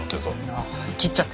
ああ切っちゃって。